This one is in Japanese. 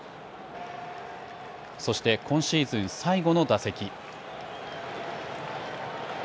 そして今シーズン最後の打席。